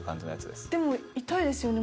でも痛いですよね